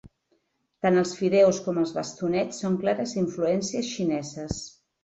Tant els fideus com els bastonets són clares influències xineses.